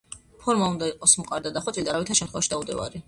ფორმა უნდა იყოს მყარი და დახვეწილი და არავითარ შემთხვევაში დაუდევარი.